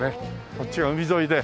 こっちは海沿いで。